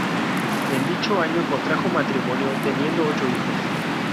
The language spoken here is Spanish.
En dicho año contrajo matrimonio, teniendo ocho hijos.